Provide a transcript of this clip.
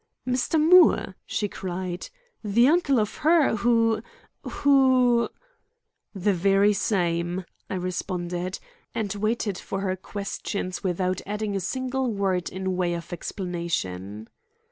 "Mr. Moore?" she cried, "the uncle of her who—who—" "The very same," I responded, and waited for her questions without adding a single word in way of explanation.